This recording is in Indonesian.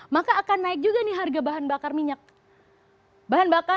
maka akan naik juga nih harga bahan bakar minyak